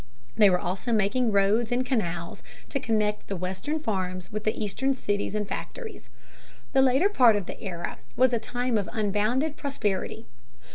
They were also making roads and canals to connect the Western farms with the Eastern cities and factories. The later part of the era was a time of unbounded prosperity.